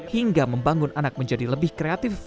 hingga membangun anak menjadi lebih kreatif